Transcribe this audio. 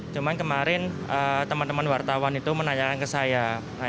cuman kemarin teman teman wartawan itu menanyakan ke saya